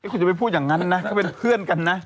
คุณจะไปพูดอย่างนั้นนะก็เป็นเพื่อนกันนะ